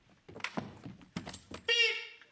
ピッ！